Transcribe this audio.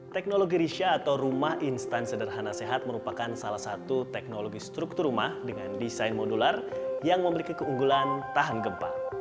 teknologi risha atau rumah instan sederhana sehat merupakan salah satu teknologi struktur rumah dengan desain modular yang memiliki keunggulan tahan gempa